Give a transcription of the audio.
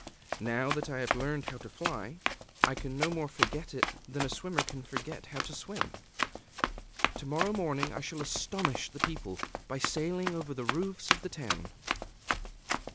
_... Now that I have learned how to fly, I can no more forget it than a swimmer can forget how to swim. To morrow morning I shall astonish the people, by sailing over the roofs of the town."